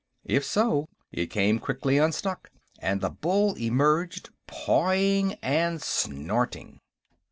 If so, it came quickly unstuck, and the bull emerged, pawing and snorting.